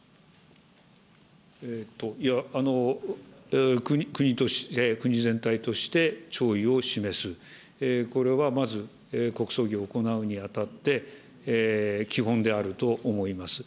いや、国として、国全体として、弔意を示す、これはまず、国葬儀を行うにあたって、基本であると思います。